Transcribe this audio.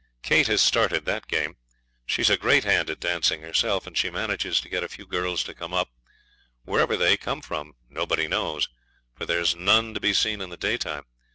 Kate has started that game. She's a great hand at dancing herself, and she manages to get a few girls to come up; wherever they come from nobody knows, for there's none to be seen in the daytime.